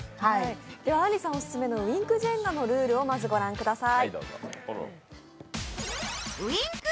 あんりさんおすすめのウインクジェンガのルールをまずご覧ください。